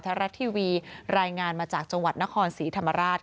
ทางท้ารัททีเวียรายงานมาจากนครศรีธรรมราช